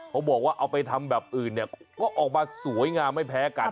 เพราะบอกว่าเอาไปทำแบบอื่นเนี่ยก็ออกมาสวยงามไม่แพ้กัน